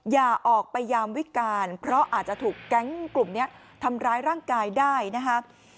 อย่าออกไปยามวิการเพราะอาจจะถูกแก๊งกลุ่มนี้ทำร้ายร่างกายได้นะครับ